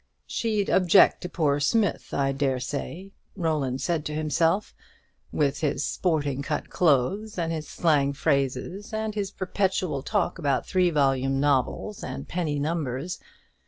"She'd object to poor Smith. I dare say," Roland said to himself, "with his sporting cut clothes, and his slang phrases, and his perpetual talk about three volume novels and penny numbers.